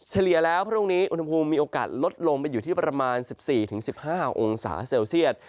เฉลี่ยแล้วพรุ่งนี้อุณหภูมิมีโอกาสลดลงไปอยู่ที่ประมาณ๑๔๑๕องศาเซลเซียต